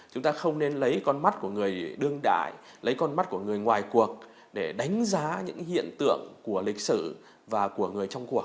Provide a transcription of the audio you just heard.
chúng ta không nên lấy con mắt của người đương đại lấy con mắt của người ngoài cuộc để đánh giá những hiện tượng của lịch sử và của người trong cuộc